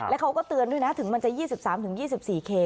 แล้วเขาก็เตือนด้วยนะถึงมันจะยี่สิบสามถึงยี่สิบสี่เค